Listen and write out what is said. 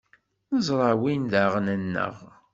Neẓra win d aɣan-nneɣ.